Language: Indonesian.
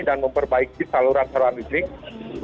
dan memperbaiki saluran saluran listrik